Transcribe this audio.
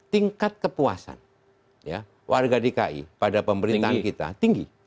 tingkat kepuasan warga dki pada pemberitaan kita tinggi